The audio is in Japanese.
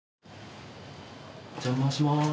お邪魔します。